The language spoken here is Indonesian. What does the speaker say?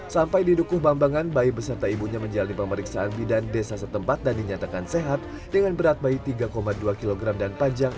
sampai di dukuh bambangan bayi beserta ibunya menjalani pemeriksaan bidan desa setempat dan dinyatakan sehat dengan berat bayi tiga dua kg dan panjang